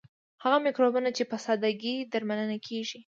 هغه مکروبونه چې په ساده ګۍ درملنه کیږي.